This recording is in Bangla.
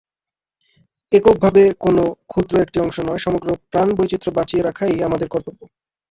এককভাবে কোনো একটি ক্ষুদ্র অংশ নয়, সমগ্র প্রাণবৈচিত্র্য বাঁচিয়ে রাখাই আমাদের কর্তব্য।